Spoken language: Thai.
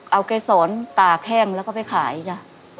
เอาเกษรตาแห้งแล้วก็ไปขายจ้ะ